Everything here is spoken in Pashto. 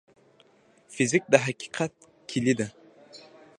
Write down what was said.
فزیک د حقیقت کلي ده.